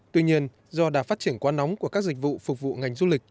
tuy nhiên do đà phát triển quá nóng của các dịch vụ phục vụ ngành du lịch